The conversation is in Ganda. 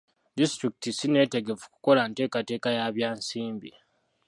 Disitulikiti ssi nneetegefu kukola nteekateeka ya bya nsimbi.